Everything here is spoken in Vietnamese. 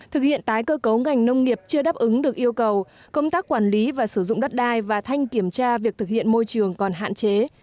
thực hiện tái cơ cấu ngành nông nghiệp chưa đáp ứng được yêu cầu công tác quản lý và sử dụng đất đai và thanh kiểm tra việc thực hiện môi trường còn hạn chế